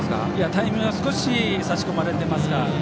タイミングは少し差し込まれています。